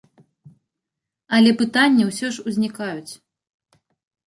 Але пытанні ўсё ж узнікаюць.